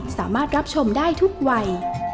สามารถรับชมได้ทุกวัย